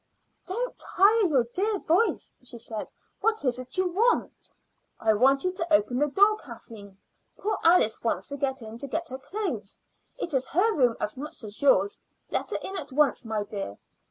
"Don't tire your dear voice," she said. "What is it you want?" "I want you to open the door, Kathleen. Poor Alice wants to get in to get her clothes. It is her room as much as yours. Let her in at once, my dear."